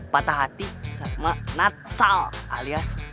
patah hati sama natsal alias